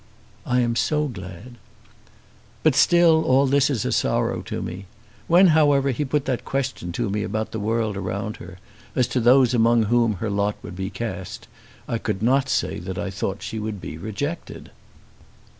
"I am so glad." "But still all this is a sorrow to me. When however he put that question to me about the world around her, as to those among whom her lot would be cast, I could not say that I thought she would be rejected."